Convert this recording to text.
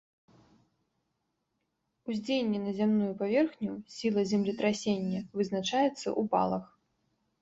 Уздзеянне на зямную паверхню, сіла землетрасення, вызначаецца ў балах.